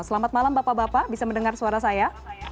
selamat malam bapak bapak bisa mendengar suara saya